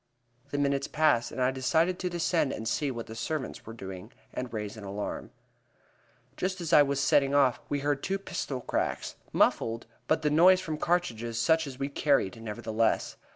The minutes passed, and I decided to descend and see what the servants were doing, and raise an alarm. Just as I was setting off we heard two pistol cracks, muffled, but the noise from cartridges such as we carried, nevertheless.